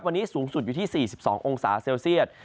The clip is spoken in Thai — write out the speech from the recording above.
วันนี้สูงสุดอยู่ที่๔๒องศาเซลเซียต